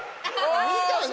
見たね。